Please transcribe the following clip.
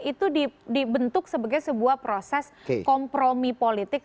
itu dibentuk sebagai sebuah proses kompromi politik